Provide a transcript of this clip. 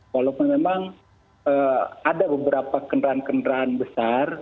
walaupun memang ada beberapa kendaraan kendaraan besar